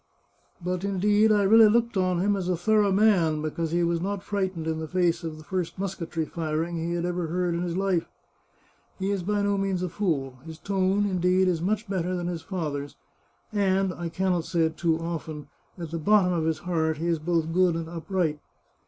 But, indeed, I really looked on him as a thorough man, because he was not frightened in face of the first musketry firing he had ever heard in his life. He is by no means a fool. His tone, in deed, is much better than his father's, and — I can not say it too often — at the bottom of his heart he is both good and upright.